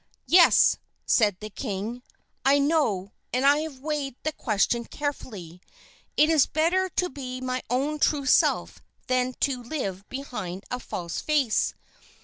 "Yes," said the king, "I know, and I have weighed the question carefully. It is better to be my own true self than to live behind a false face.